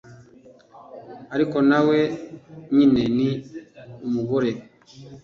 ariko nawe nyine ni umugore